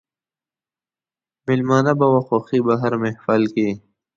مېلمنه به وه خوښي په هر محل کښي